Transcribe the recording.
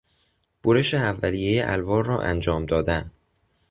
برش اولیهی الوار را انجام دادن